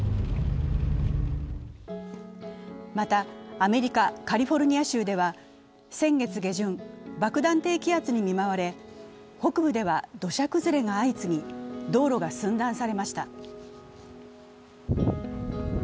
また、アメリカ・カリフォルニア州では先月下旬、爆弾低気圧に見舞われ、北部では土砂崩れが相次ぎ道路が寸断されました。